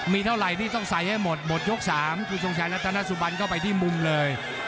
มีเท่าไหร่นี่ต้องใส่ให้หมดหมดยก๓คุณทรงชัยรัฐนาสุบันเข้าไปที่มุมเลย